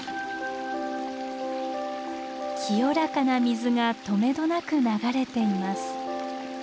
清らかな水がとめどなく流れています。